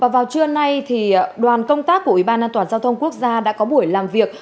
vào trưa nay đoàn công tác của ủy ban an toàn giao thông quốc gia đã có buổi làm việc